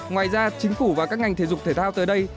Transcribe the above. ngoài ra chính phủ và các ngành thể dục thể thao tới đây